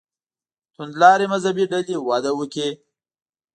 توندلارې مذهبي ډلې وده وکړي.